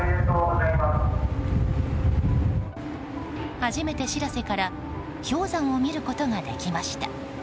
初めて「しらせ」から氷山を見ることができました。